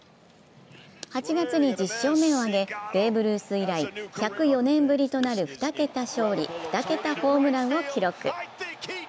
８月に１０勝目を挙げ、ベーブ・ルース以来１０４年ぶりとなる２桁勝利・２桁ホームランを記録。